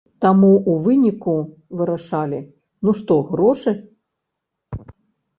Таму ў выніку вырашылі, ну што грошы?